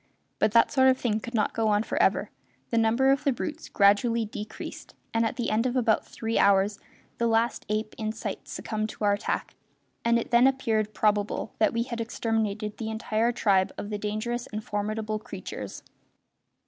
But that sort of thing could not go on for ever; the number of the brutes gradually decreased, and at the end of about three hours the last ape in sight succumbed to our attack, and it then appeared probable that we had exterminated the entire tribe of the dangerous and formidable creatures.